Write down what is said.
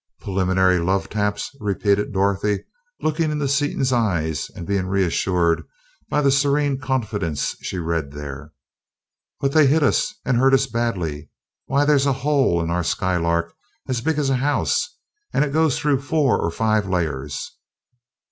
"Preliminary love taps!" repeated Dorothy, looking into Seaton's eyes and being reassured by the serene confidence she read there. "But they hit us, and hurt us badly why, there's a hole in our Skylark as big as a house, and it goes through four or five layers!"